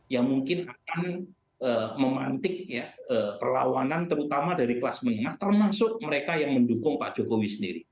yang mungkin akan memantik perlawanan terutama dari kelas menengah termasuk mereka yang mendukung pak jokowi sendiri